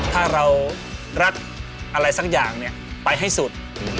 ถ้าเรารัดอะไรสักอย่างไปให้สุด